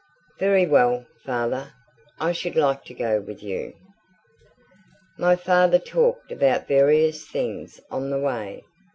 "Very well, father. I should like to go with you." My father talked about various things on the way.